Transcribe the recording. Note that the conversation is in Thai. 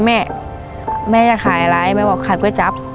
แม่ก็บอกแกล้งจะขายอะไรแม่ก็บอกคล่ายแก๊ว่าจับ